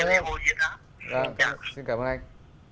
xin cảm ơn anh